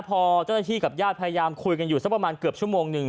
พอเจ้าหน้าที่กับญาติพยายามคุยกันอยู่สักประมาณเกือบชั่วโมงหนึ่ง